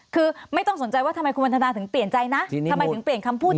คือไม่ต้องสนใจว่าทำไมคุณวันทนาถึงเปลี่ยนใจนะทำไมถึงเปลี่ยนคำพูด